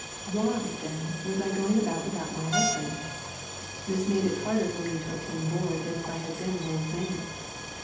Why, then, was I going about without my husband? This made it harder for me to obtain board than if I had been an old maid.